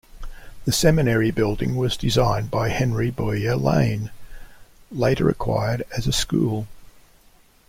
The seminary building was designed by Henry Bowyer Lane, later acquired as a school.